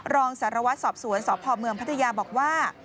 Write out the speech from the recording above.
รองศาลวัฒน์สอบสวนสพพัทยาบอกว่า